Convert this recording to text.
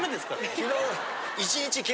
昨日？